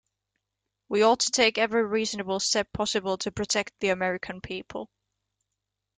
We ought to take every reasonable step possible to protect the American people.